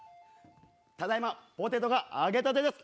ただいまポテトが揚げたてです。